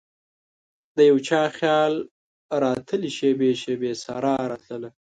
دیو چا خیال راتلي شیبې ،شیبې سارا راتلله